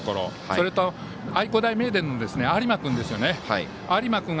それと、愛工大名電の有馬君ですよね。